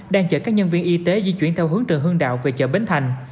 đang chở các nhân viên y tế di chuyển theo hướng trần hương đạo về chợ bến thành